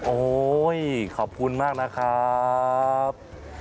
โอ้โหขอบคุณมากนะครับ